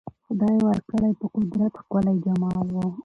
خدای ورکړی په قدرت ښکلی جمال وو